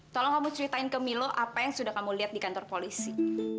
tolong kamu ceritain ke milo apa yang sudah kamu lihat di kantor polisi